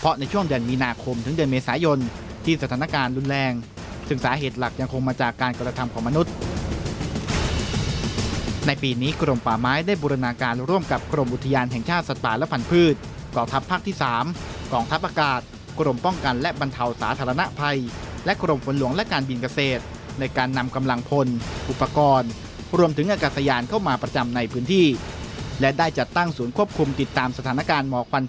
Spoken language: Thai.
การรุนแรงซึ่งสาเหตุหลักยังคงมาจากการการธรรมของมนุษย์ในปีนี้กรมป่าไม้ได้บูรณาการร่วมกับกรมอุทยานแห่งชาติสัตว์ป่าและผันพืชก่อทัพภาคที่๓กล่องทัพอากาศกรมป้องกันและบรรเทาสาธารณะภัยและกรมฝนหลวงและการบินเกษตรในการนำกำลังพลอุปกรณ์รวมถึงอากาศยานเข้